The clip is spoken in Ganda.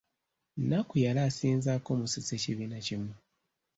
Nnakku yali asinzaako Musisi ekibiina kimu.